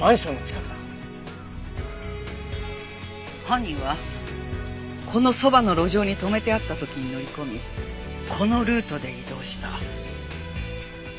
犯人はこのそばの路上に止めてあった時に乗り込みこのルートで移動した。